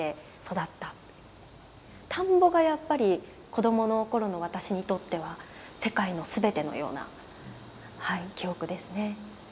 田んぼがやっぱり子供の頃の私にとっては世界の全てのようなはい記憶ですね。